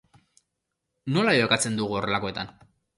Nola jokatzen dugu horrelakoetan?